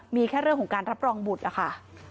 มีแค่เรื่องของการรับรองบุตรนะคะ